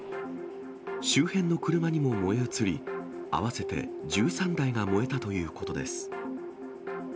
周辺の車にも燃え移り、合わせて１３台が燃えたということです。